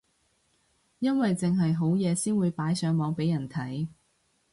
因為剩係好嘢先會擺上網俾人睇